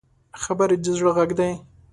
خبرې د زړه غږ دی